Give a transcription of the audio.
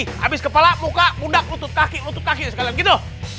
habis kepala muka mundak lutut kaki lutut kaki segala gitu